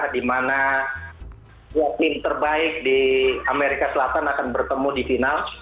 di mana tim terbaik di amerika selatan akan bertemu di final